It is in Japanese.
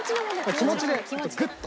気持ちでグッと。